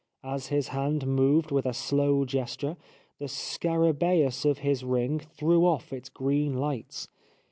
As his hand moved with a slow gesture the scarabceus of his ring threw off its green lights.